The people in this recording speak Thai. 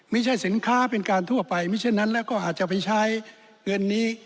ไม่ใช่สินค้าเป็นการทั่วไปไม่ใช่นั้นแล้วก็อาจจะไปใช้เงินนี้